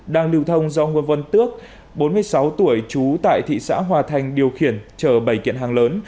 đang lưu thông do nguyên vân tước bốn mươi sáu tuổi trú tại thị xã hòa thành điều khiển chờ bày kiện hàng lớn